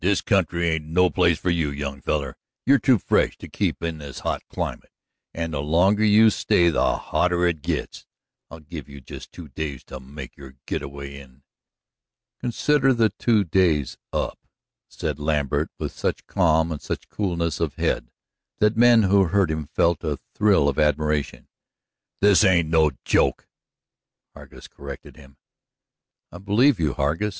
This country ain't no place for you, young feller; you're too fresh to keep in this hot climate, and the longer you stay the hotter it gits. I'll give you just two days to make your gitaway in." "Consider the two days up," said Lambert with such calm and such coolness of head that men who heard him felt a thrill of admiration. "This ain't no joke!" Hargus corrected him. "I believe you, Hargus.